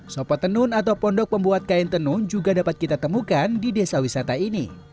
sopo tenun atau pondok pembuat kain tenun juga dapat kita temukan di desa wisata ini